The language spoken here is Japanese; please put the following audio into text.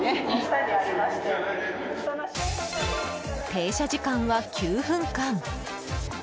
停車時間は９分間。